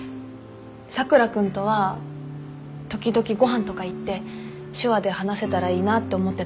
佐倉君とは時々ご飯とか行って手話で話せたらいいなって思ってたの。